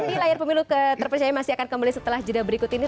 ini layar pemilu terpercaya masih akan kembali setelah jeda berikut ini